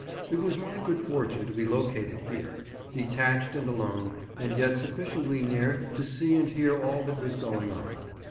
It was my good fortune to be located here, detached and alone, and yet sufficiently near to see and hear all that was going on.